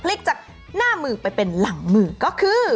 จากหน้ามือไปเป็นหลังมือก็คือ